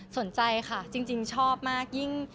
สนใจค่ะจริงชอบมากยิ่ง